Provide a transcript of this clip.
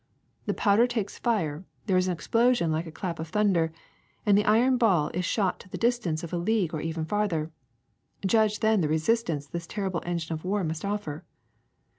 The powder takes fire, there is an explosion like a clap of thunder, and the iron ball is shot to the distance of a league or even farther. Judge then the resistance this terrible engine of war must offer.